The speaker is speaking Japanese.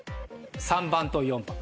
３番と４番。